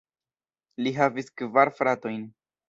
Li havis kvar fratojn.